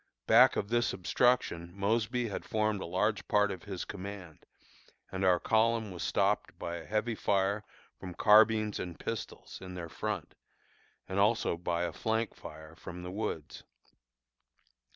Back of this obstruction Mosby had formed a large part of his command, and our column was stopped by a heavy fire from carbines and pistols in their front and also by a flank fire from the woods.